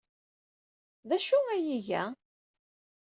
D acu ay iga?